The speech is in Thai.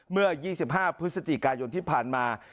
เมื่อ๒๕พฤศจิกายนที่ผ่านมา